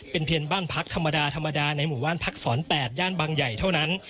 เป็นเพียงบ้านพักธรรมดาธรรมดาในหมู่บ้านพักษร๘ย่านบางใหญ่เท่านั้น